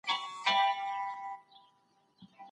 د ډوډۍ پر مهال نه خندل کېږي.